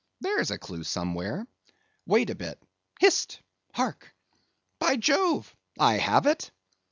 There's a clue somewhere; wait a bit; hist—hark! By Jove, I have it!